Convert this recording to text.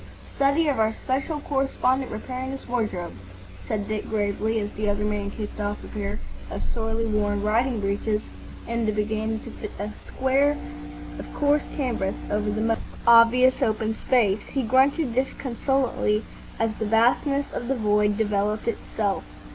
"Study of our Special Correspondent repairing his wardrobe," said Dick, gravely, as the other man kicked off a pair of sorely worn riding breeches and began to fit a square of coarse canvas over the most obvious open space. He grunted disconsolately as the vastness of the void developed itself.